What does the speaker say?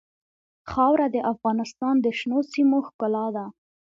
خاوره د افغانستان د شنو سیمو ښکلا ده.